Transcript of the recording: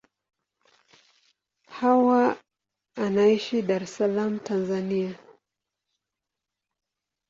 Hawa anaishi Dar es Salaam, Tanzania.